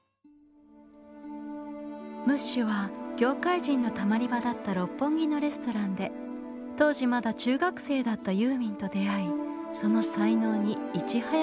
ムッシュは業界人のたまり場だった六本木のレストランで当時まだ中学生だったユーミンと出会いその才能にいち早く注目します。